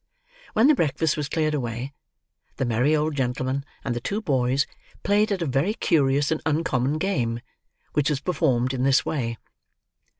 When the breakfast was cleared away; the merry old gentlman and the two boys played at a very curious and uncommon game, which was performed in this way.